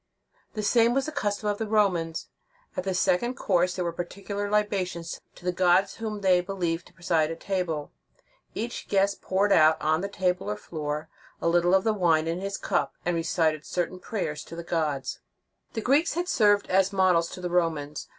The same was the custom of the Romans. At the second course there were particular libations to the gods whom they believed to preside at table. Each guest poured out on the table or the floor, a little of the wine in his cup, and recited certain prayers to the gods.* The Greeks had served as models to the Romans.